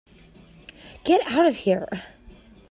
Get out of here.